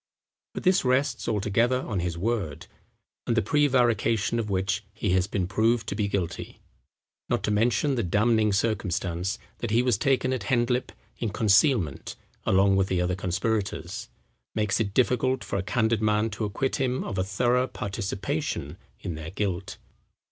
But this rests altogether on his word; and the prevarication of which he has been proved to be guilty (not to mention the damning circumstance that he was taken at Hendlip in concealment along with the other conspirators), makes it difficult for a candid man to acquit him of a thorough participation in their guilt."